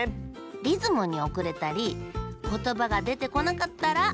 リズムにおくれたりことばがでてこなかったらまけよ。